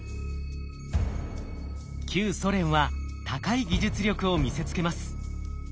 旧ソ連は高い技術力を見せつけます。